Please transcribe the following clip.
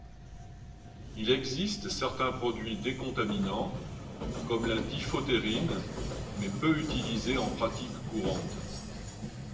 Il existe certains produits décontaminants, comme la diphotérine, mais peu utilisés en pratique courante.